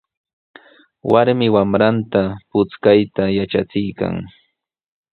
Warmi wamranta puchkayta yatrachiykan.